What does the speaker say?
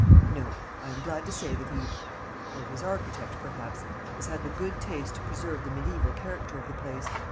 "No; I am glad to say that he or his architect perhaps has had the good taste to preserve the mediaeval character of the place.